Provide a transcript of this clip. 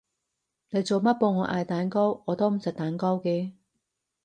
你做乜幫我嗌蛋糕？我都唔食蛋糕嘅